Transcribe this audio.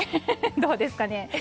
どうですかね。